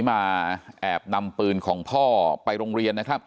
มาแอบนำปืนของพ่อไปโรงเรียนนะครับ